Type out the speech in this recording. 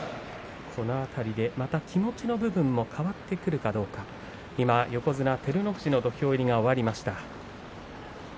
気持ちの部分も変わってくるかどうか横綱照ノ富士の土俵入りが終わりました。